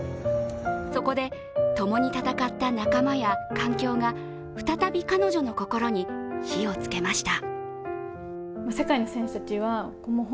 そこでともに戦った仲間や環境が、再び彼女の心に火をつけました。